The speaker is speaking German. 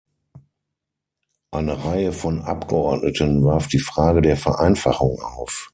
Eine Reihe von Abgeordneten warf die Frage der Vereinfachung auf.